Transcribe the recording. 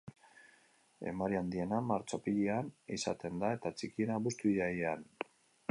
Emari handiena martxo-apirilean izaten da eta txikiena abuztu-irailean.